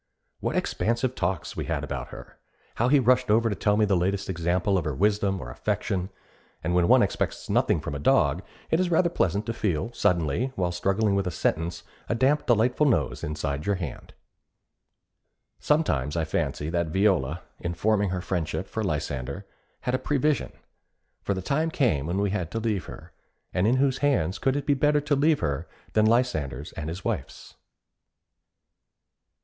What expansive talks we had about her! How he rushed over to tell me the latest example of her wisdom or affection; and when one expects nothing from a dog, it is rather pleasant to feel suddenly, while struggling with a sentence, a damp delightful nose inside your hand. Sometimes I fancy that Viola, in forming her friendship for Lysander, had a prevision; for the time came when we had to leave her, and in whose hands could it be better to leave her than Lysander's and his wife's?